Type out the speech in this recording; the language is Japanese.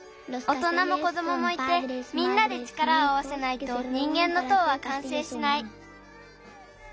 大人も子どももいてみんなで力をあわせないと人げんの塔はかんせいしない。